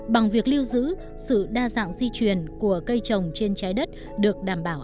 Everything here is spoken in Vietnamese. bằng việc lưu giữ sự đa dạng di truyền của cây trồng trên trái đất được đảm bảo